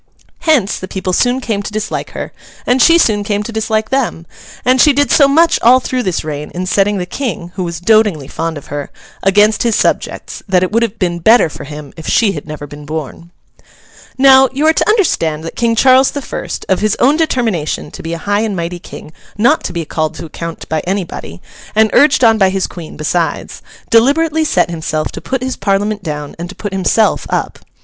Hence, the people soon came to dislike her, and she soon came to dislike them; and she did so much all through this reign in setting the King (who was dotingly fond of her) against his subjects, that it would have been better for him if she had never been born. Now, you are to understand that King Charles the First—of his own determination to be a high and mighty King not to be called to account by anybody, and urged on by his Queen besides—deliberately set himself to put his Parliament down and to put himself up.